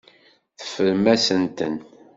Teffrem-asent-ten.